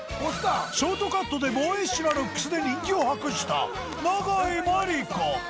ショートカットでボーイッシュなルックスで人気を博した永井真理子